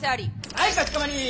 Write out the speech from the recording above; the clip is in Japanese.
あいかしこまり！